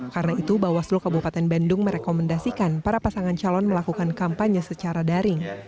karena itu bawaslu kabupaten bandung merekomendasikan para pasangan calon melakukan kampanye secara daring